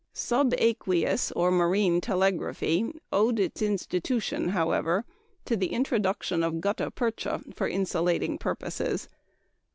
Subaqueous, or marine, telegraphy owed its institution, however, to the introduction of gutta percha, for insulating purposes.